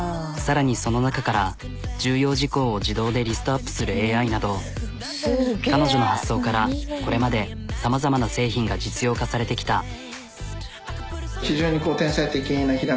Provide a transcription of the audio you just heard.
さらにその中から重要事項を自動でリストアップするＡＩなど彼女の発想からこれまでさまざまな製品が実用化されてきた。